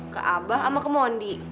ke abah sama ke mondi